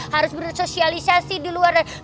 harus bersosialisasi di luar